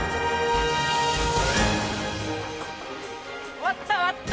終わった終わった！